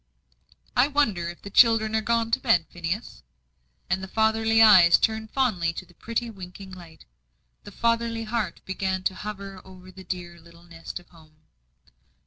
"I wonder if the children are gone to bed, Phineas?" And the fatherly eyes turned fondly to that pretty winking light; the fatherly heart began to hover over the dear little nest of home.